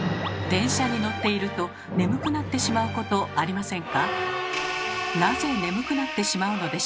電車に乗っていると眠くなってしまうことありませんか？